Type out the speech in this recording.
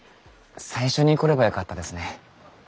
最初に来ればよかったですね。